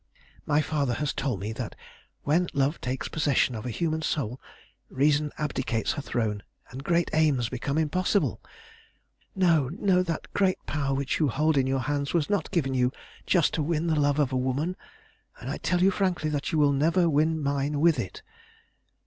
"My father has told me that when love takes possession of a human soul, reason abdicates her throne, and great aims become impossible. No, no; that great power which you hold in your hands was not given you just to win the love of a woman, and I tell you frankly that you will never win mine with it.